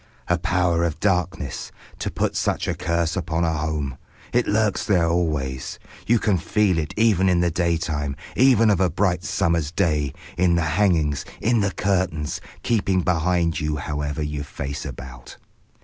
A Power of Darkness. To put such a curse upon a home! It lurks there always. You can feel it even in the daytime, even of a bright summer's day, in the hangings, in the curtains, keeping behind you however you face about.